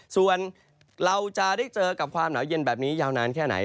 ส่วนเราจะได้เจอกับความหนาวเย็นแบบนี้ยาวนานแค่ไหน